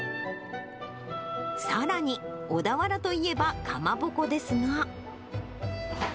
さらに、小田原といえばかまぼこですが。